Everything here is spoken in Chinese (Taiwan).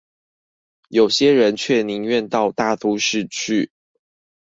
有些人卻寧願到大都市去